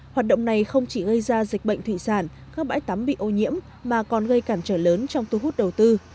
hoạt động này không chỉ gây ra dịch bệnh thủy sản các bãi tắm bị ô nhiễm mà còn gây cản trở lớn trong thu hút đầu tư